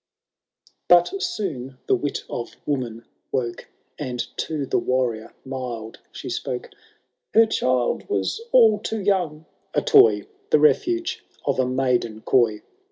XII. But soon the wit of woman woke. And to the Warrior mild she spoke :" Her child was all too young." —A toy. The refuge of a maiden coy."